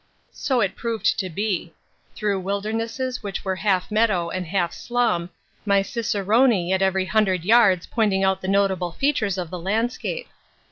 So it proved to be through wildernesses which were half meadow and half slum, my cicerone at every hundred yards pointing out the notable features of the landscape.